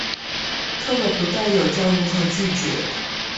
課本不但有教如何拒絕